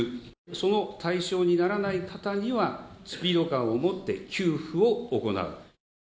その対象にならない方には、スピード感を持って給付を行う。